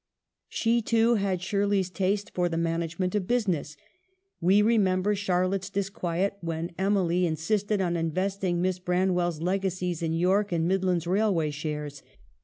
She, too, had Shirley's taste for the manage ment of business. We remember Charlotte's disquiet when Emily insisted on investing Miss Branwell's legacies in York and Midland Rail way shares.